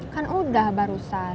kan udah barusan